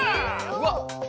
うわっ。